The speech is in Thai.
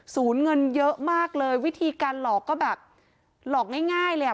เงินเยอะมากเลยวิธีการหลอกก็แบบหลอกง่ายเลยอ่ะ